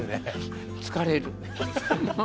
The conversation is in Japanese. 疲れる。